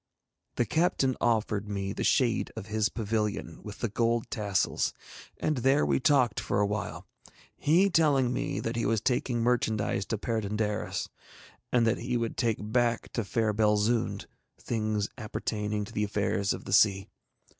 The captain offered me the shade of his pavilion with the gold tassels, and there we talked for awhile, he telling me that he was taking merchandise to Perd├│ndaris, and that he would take back to fair Belzoond things appertaining to the affairs of the sea.